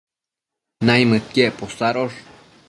naimëdquiec posadosh